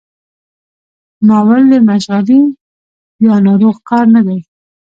ناول د مشغلې یا ناروغ کار نه دی.